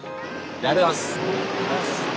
ありがとうございます。